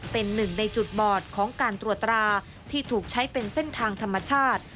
เป็นหนึ่งในจุดบอดของการตรวจตราที่ถูกใช้เป็นเส้นทางธรรมชาติ